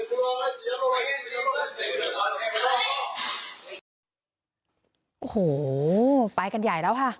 โอ้โหไปกันใหญ่แล้วค่ะ